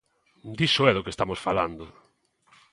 Diso é do que estamos falando.